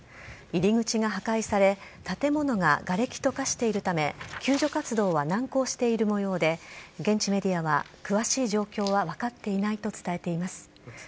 入り口が破壊され建物ががれきと化しているため救助活動は難航しているもようで現地メディアは詳しい状況は分かっていないと伝えています。